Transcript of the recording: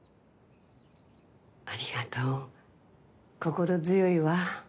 ありがとう心強いわ。